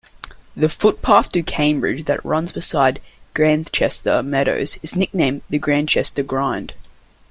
The footpath to Cambridge that runs beside Grantchester Meadows is nicknamed the Grantchester Grind.